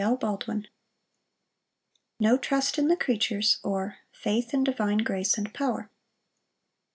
Psalm 62. 5 12. No trust in the creatures; or, Faith in divine grace and power.